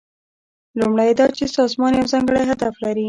لومړی دا چې سازمان یو ځانګړی هدف لري.